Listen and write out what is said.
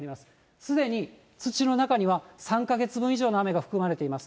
すでに土の中には、３か月分以上の雨が含まれています。